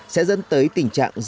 sẽ dẫn tới tình trạng dễ dàng